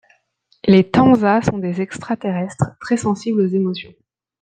Les Tenza sont des extraterrestres très sensibles aux émotions.